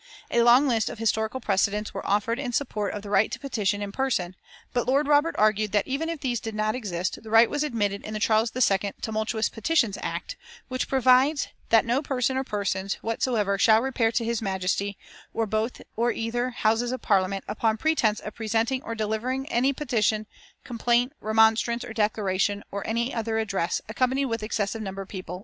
A long list of historical precedents were offered in support of the right to petition in person, but Lord Robert argued that even if these did not exist, the right was admitted in the Charles II "Tumultuous Petitions Act," which provides "That no person or persons whatsoever shall repair to His Majesty or both or either Houses of Parliament upon pretence of presenting or delivering any petition, complaint, remonstrance, or declaration or other address, accompanied with excessive number of people